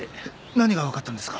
何が分かったんですか？